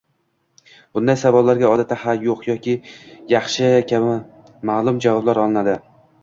Bunday savollarga odatda “ha”, “yo‘q” yoki “yaxshi” kabi maʼlum javoblar olinadi.